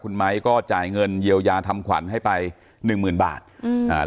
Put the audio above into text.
คุณไม้ก็จ่ายเงินเยียวยาทำขวัญให้ไปหนึ่งหมื่นบาทอืมอ่า